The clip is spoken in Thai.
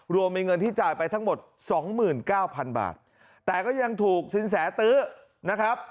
รวมมีเงินที่จ่ายไปทั้งหมด๒๙๐๐๐บาทแต่ก็ยังถูกสินแสตื้อนะครับ